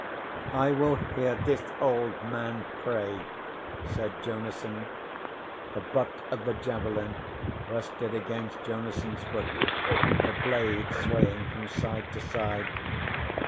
"I will hear this Old Man pray," said Jonason. The butt of the javelin rested against Jonason's foot, the blade swaying from side to side.